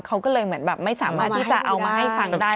เขาก็เลยเหมือนแบบไม่สามารถที่จะเอามาให้ฟังได้